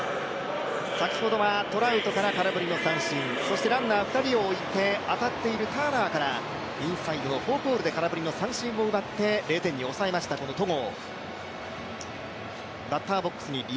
先ほどはトラウトから空振りの三振ランナー２人を置いて、当たっているターナーからインサイド、フォークボールで空振りの三振を奪って０点に抑えました、この戸郷。